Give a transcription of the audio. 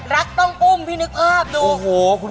รักต้องอุ้มพี่นึกภาพดู